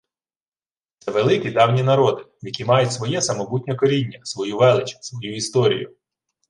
Це великі, давні народи, які мають своє самобутнє коріння, свою велич, свою історію